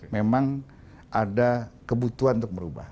memang ada kebutuhan untuk merubah